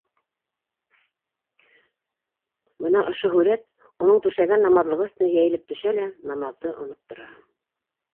Бына ошо һүрәт уның түшәгән намаҙлығы өҫтөнә йәйелеп төшә лә намаҙҙы оноттора.